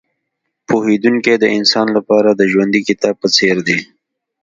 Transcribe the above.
پوهېدونکی د انسان لپاره د ژوندي کتاب په څېر دی.